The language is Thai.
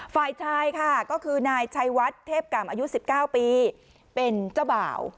ฝ่ายชายค่ะก็คือนายชัยวัดเทพกรรมอายุ๑๙ปีเป็นเจ้าบ่าว